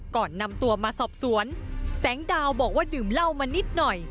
ก่อนนำตัวมาสอบสวนแสงดาวบอกว่าดื่มเหล้ามานิดหน่อย